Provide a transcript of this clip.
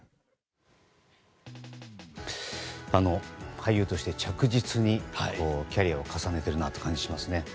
俳優として着実にキャリアを重ねているなという感じがしますね。